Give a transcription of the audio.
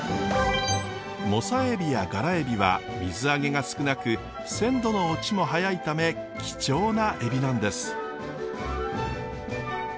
モサエビやガラエビは水揚げが少なく鮮度の落ちも早いため貴重なエビなんです。